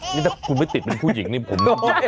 นี่ถ้าคุณไม่ติดเป็นผู้หญิงผม